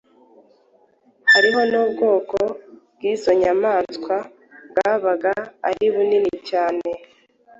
hariho n’ubwoko bw’izo nyamaswa bwabaga ari bunini cyane,